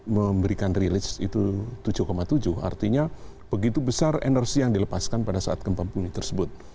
memberikan releach itu tujuh tujuh artinya begitu besar energi yang dilepaskan pada saat gempa bumi tersebut